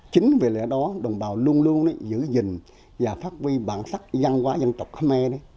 chính vì lẽ đó đồng bào luôn luôn giữ gìn và phát huy bản sắc văn hóa dân tộc khmer